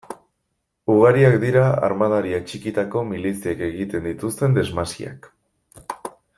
Ugariak dira armadari atxikitako miliziek egiten dituzten desmasiak.